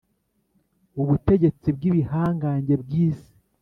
Ubutegetsi bw ibihangange bw isi